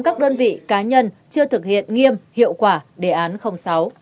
các đơn vị cá nhân chưa thực hiện nghiêm hiệu quả đề án sáu